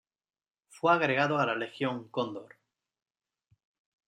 Fue agregado a la Legión Cóndor.